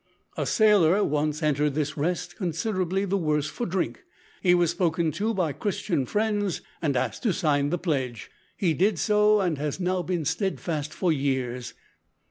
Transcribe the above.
A sailor once entered this `Rest' considerably the worse for drink. He was spoken to by Christian friends, and asked to sign the pledge. He did so, and has now been steadfast for years.